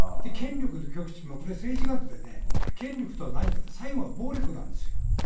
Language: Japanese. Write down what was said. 権力の極致、これは政治学でね、権力とは何かって、最後は暴力なんですよ。